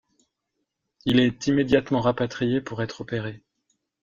Il est immédiatement rapatrié pour être opéré.